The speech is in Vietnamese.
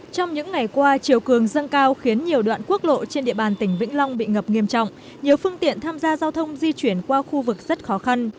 trong những ngày qua chiều cường dâng cao khiến nhiều đoạn quốc lộ trên địa bàn tỉnh vĩnh long bị ngập nghiêm trọng nhiều phương tiện tham gia giao thông di chuyển qua khu vực rất khó khăn